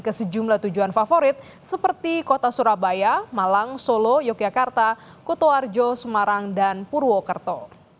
ke sejumlah tujuan favorit seperti kota surabaya malang solo yogyakarta kutoarjo semarang dan purwokerto